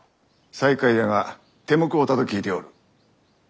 西海屋が手向こうたと聞いておる。